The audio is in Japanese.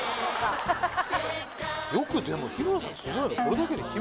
よくでも日村さんすごいよね